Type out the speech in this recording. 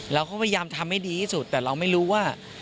เราก็พยายามทำให้ดีที่สุดแต่เราไม่รู้ว่า